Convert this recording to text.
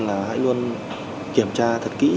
là hãy luôn kiểm tra thật kỹ